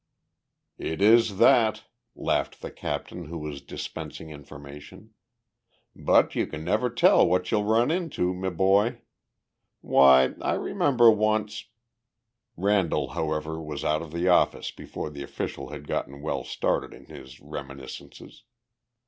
"It is that," laughed the captain who was dispensing information. "But you can never tell what you'll run into, me boy. Why I remember once " Randall, however, was out of the office before the official had gotten well started on his reminiscences.